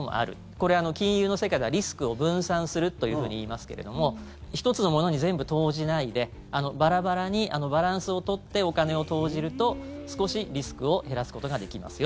これ、金融の世界ではリスクを分散するというふうに言いますけれども１つのものに全部投じないでバラバラにバランスを取ってお金を投じると少しリスクを減らすことができますよ。